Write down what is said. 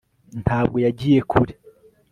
ntabwo yagiye kure